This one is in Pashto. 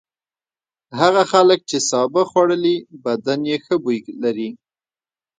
هغه خلک چې سابه خوړلي بدن یې ښه بوی لري.